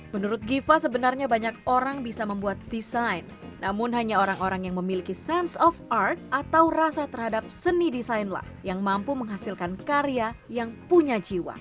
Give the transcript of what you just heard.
menurut giva sebenarnya banyak orang bisa membuat desain namun hanya orang orang yang memiliki sense of art atau rasa terhadap seni desainlah yang mampu menghasilkan karya yang punya jiwa